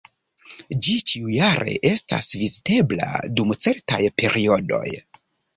Ĝi ĉiujare estas vizitebla dum certaj periodoj.